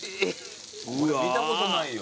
見たことないよ